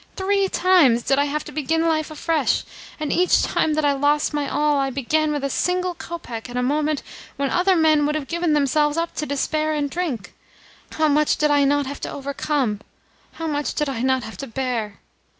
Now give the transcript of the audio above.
Three times did I have to begin life afresh, and each time that I lost my all I began with a single kopeck at a moment when other men would have given themselves up to despair and drink. How much did I not have to overcome. How much did I not have to bear!